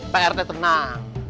pak rt tenang